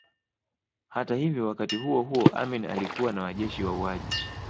Hata hivyo wakati huo huo Amin alikuwa na wajeshi wauaji